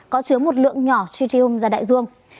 có chứa một lượng nhỏ tritium ra đại dương